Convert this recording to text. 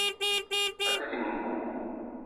À te dìng mbú